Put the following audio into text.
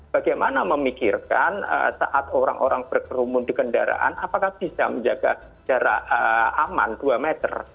bagaimana memikirkan saat orang orang berkerumun di kendaraan apakah bisa menjaga jarak aman dua meter